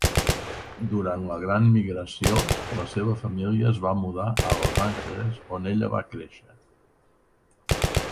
Durant la Gran Migració, la seva família es va mudar a Los Angeles, on ella va créixer.